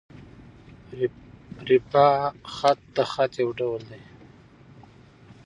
رِقاع خط؛ د خط یو ډول دﺉ.